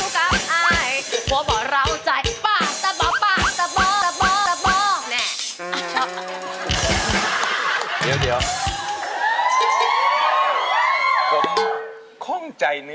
คนเองเป็นตั๊ดสั้งกระด่อ